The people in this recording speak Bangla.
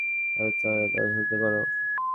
নদীর তলদেশে অনুসন্ধান করো!